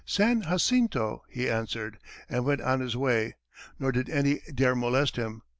"San Jacinto," he answered, and went on his way, nor did any dare molest him.